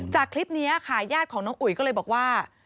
จากคลิปนี้ค่ะญาติของน้องอุ๋ยก็เลยบอกว่า